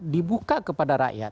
dibuka kepada rakyat